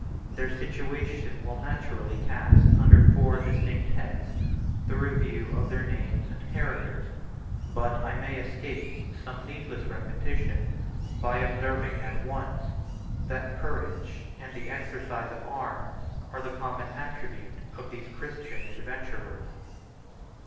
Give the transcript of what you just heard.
Their situation will naturally cast under four distinct heads the review of their names and characters; but I may escape some needless repetition, by observing at once, that courage and the exercise of arms are the common attribute of these Christian adventurers.